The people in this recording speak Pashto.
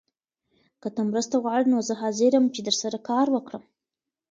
که ته مرسته غواړې نو زه حاضر یم چي درسره کار وکړم.